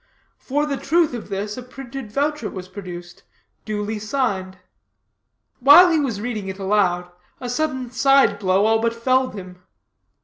For the truth of this, a printed voucher was produced, duly signed. While he was reading it aloud, a sudden side blow all but felled him.